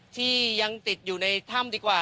ที่ยังติดอยู่ในถ้ำดีกว่า